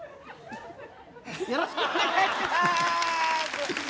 よろしくお願いします